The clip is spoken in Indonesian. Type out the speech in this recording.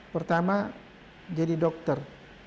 pertama jadi dokter